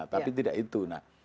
tapi tidak itu